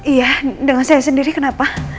iya dengan saya sendiri kenapa